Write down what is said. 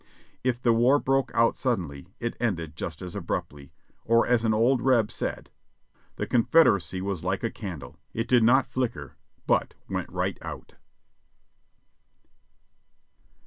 If the war broke out suddenly, it ended just as abruptly; or as an old Reb said, "the Confederacy was like a candle — it did not flicker, but went right out."